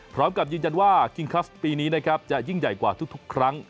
พร้อมกับยืนยันว่าคิงคลัสปีนี้นะครับจะยิ่งใหญ่กว่าทุกครั้ง